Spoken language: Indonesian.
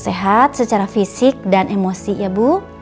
sehat secara fisik dan emosi ya bu